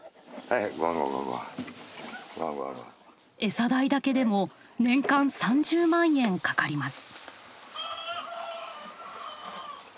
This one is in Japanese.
餌代だけでも年間３０万円かかります。